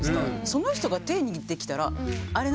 その人が手握ってきたらあれ？